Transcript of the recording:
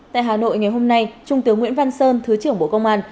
tại hà nội ngày hôm nay trung tướng nguyễn văn sơn thứ trưởng bộ công an